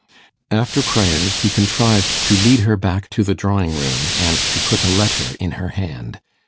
After prayers, he contrived to lead her back to the drawing room, and to put a letter in her hand.